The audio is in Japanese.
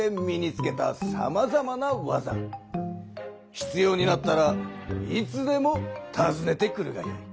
ひつようになったらいつでもたずねてくるがよい。